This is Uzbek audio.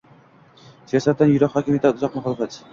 Siyosatdan yiroq, hokimiyatdan uzoq muxolifat